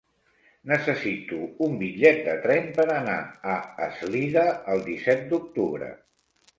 Necessito un bitllet de tren per anar a Eslida el disset d'octubre.